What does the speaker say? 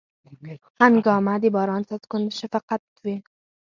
هنګامه د باران څاڅکو شفقت و